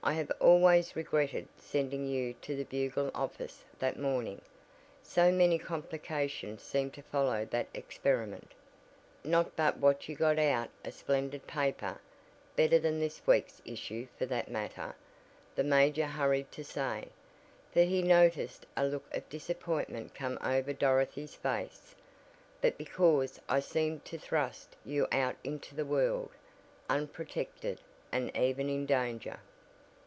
I have always regretted sending you to the Bugle office that morning, so many complications seemed to follow that experiment. Not but what you got out a splendid paper better than this week's issue for that matter," the major hurried to say, for he noticed a look of disappointment come over Dorothy's face, "but because I seemed to thrust you out into the world, unprotected, and even in danger."